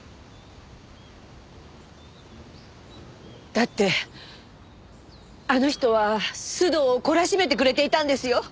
だってあの人は須藤をこらしめてくれていたんですよ。